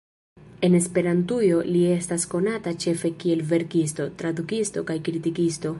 En Esperantujo, li estas konata ĉefe kiel verkisto, tradukisto kaj kritikisto.